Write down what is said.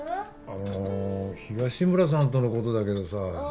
あの東村さんとのことだけどさあ